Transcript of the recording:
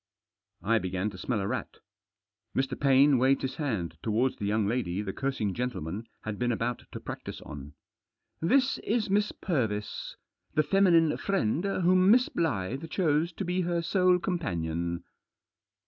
I began to smell a rat. Mr. Paine waved his hand towards the young lady the cursing gentleman had been about to practise on. "This is Miss Purvis, the feminine friend whom Miss Blyth chose to be her sole companion.